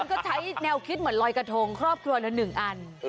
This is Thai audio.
ก็ใช้แนวคิดเหมือนลอยกระทงครอบครัวละ๑อัน